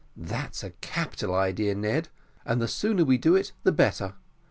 "That's a capital idea, Ned, and the sooner we do it the better.